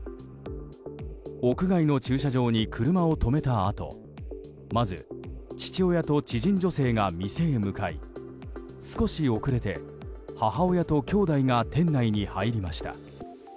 屋外の駐車場に車を止めたあとまず、父親と知人女性が店へ向かい少し遅れて母親ときょうだいが店内に入りました。